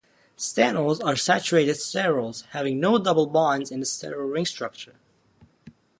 Stanols are saturated sterols, having no double bonds in the sterol ring structure.